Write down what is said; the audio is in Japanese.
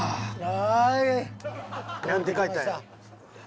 何て書いたんや？